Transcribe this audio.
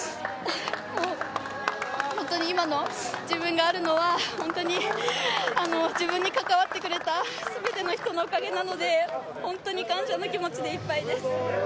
本当に今の自分があるのは自分に関わってくれた全ての人のおかげなので本当に感謝の気持ちでいっぱいです。